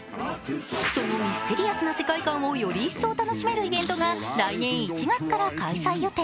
そのミステリアスな世界観をより一層楽しめるイベントが来年１月から開催予定。